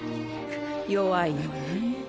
弱いよね。